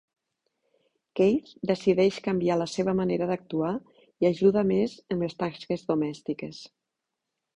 Keith decideix canviar la seva manera d'actuar i ajuda més en les tasques domèstiques.